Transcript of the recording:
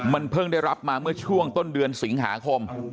มันเพิ่งได้รับมาเมื่อช่วงต้นเดือนสิงหาคม